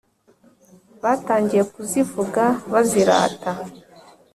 batangiye kuzivuga bazirata